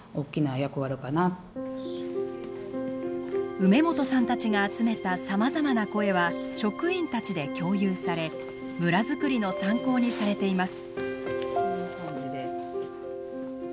梅本さんたちが集めたさまざまな声は職員たちで共有され村づくりの参考にされています。